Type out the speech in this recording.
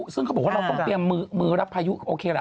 เราก็ต้องเตรียมมือรับพายุโอเคแหละ